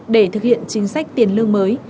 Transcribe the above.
để thực hiện chính sách tiền lương mới